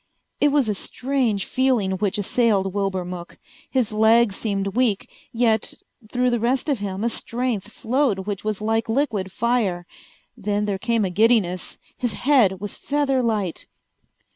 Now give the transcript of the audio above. It was a strange feeling which assailed Wilbur Mook. His legs seemed weak, yet through the rest of him a strength flowed which was like liquid fire. Then there came a giddiness. His head was feather light.